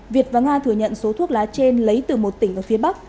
việt và nga thừa nhận số thuốc lá trên lấy từ một tỉnh ở phía bắc